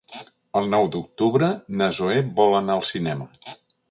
El nou d'octubre na Zoè vol anar al cinema.